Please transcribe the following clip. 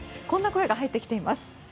こんな声が入ってきています。